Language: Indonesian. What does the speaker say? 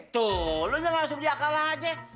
tuh lo jangan langsung diakal aja